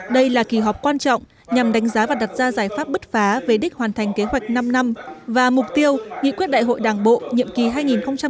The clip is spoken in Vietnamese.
đây là kỳ họp quan trọng nhằm đánh giá và đặt ra giải pháp bứt phá về đích hoàn thành kế hoạch năm năm và mục tiêu nghị quyết đại hội đảng bộ nhiệm kỳ hai nghìn hai mươi hai nghìn hai mươi năm